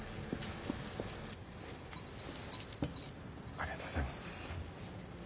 ありがとうございます。